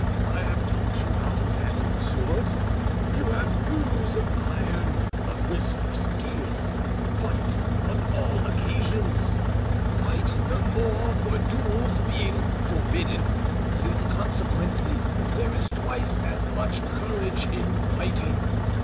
I have taught you how to handle a sword; you have thews of iron, a wrist of steel. Fight on all occasions. Fight the more for duels being forbidden, since consequently there is twice as much courage in fighting.